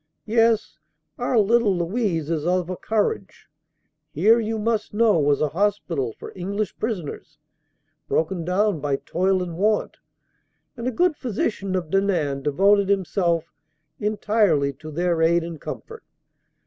"Yes, our little Louise is of a courage! Here you must know was a hospital for English prisoners broken down by toil and want, and a good physician of Denain devoted him self entirely to their aid and comfort.